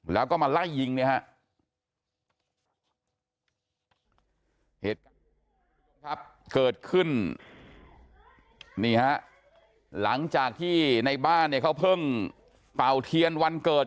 แล้วก็มาไล่ยิงเนี่ยครับเกิดขึ้นนี่ฮะหลังจากที่ในบ้านเขาเพิ่งเป่าเทียนวันเกิด